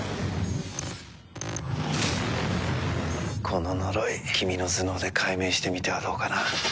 この呪い、君の頭脳で解明してみてはどうかな。